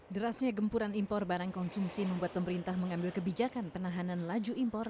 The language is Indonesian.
derasnya gempuran impor barang konsumsi membuat pemerintah mengambil kebijakan penahanan laju impor